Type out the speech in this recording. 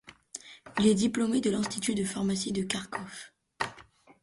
Il est diplômé de l'Institut de pharmacie de Kharkov.